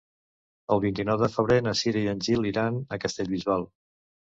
El vint-i-nou de febrer na Cira i en Gil iran a Castellbisbal.